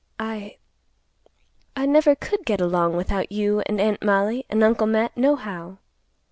I—I never could get along without you and Aunt Mollie and Uncle Matt, nohow."